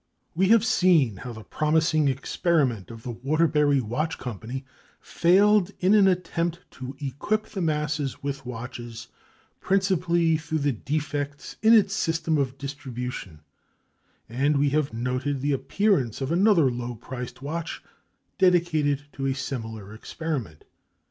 We have seen how the promising experiment of the Waterbury Watch Company failed in an attempt to equip the masses with watches, principally through defects in its system of distribution, and we have noted the appearance of another low priced watch dedicated to a similar experiment.